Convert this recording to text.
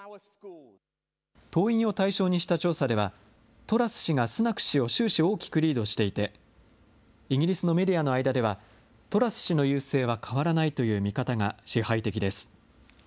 党員を対象にした調査では、トラス氏がスナク氏を終始大きくリードしていて、イギリスのメディアの間では、トラス氏の優勢は変わらないという見方が支配的です。